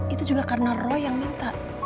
itu juga karena roy yang minta